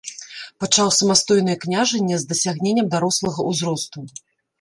Пачаў самастойнае княжанне з дасягненнем дарослага ўзросту.